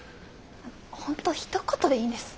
ほんとひと言でいいんです。